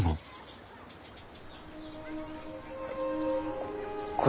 ここれ。